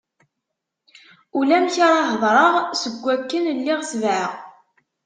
Ulamek ara hedreɣ seg akken lliɣ sebεeɣ.